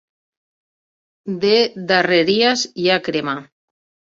De darreries hi ha crema.